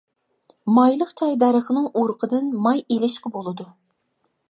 مايلىق چاي دەرىخىنىڭ ئۇرۇقىدىن ماي ئېلىشقا بولىدۇ.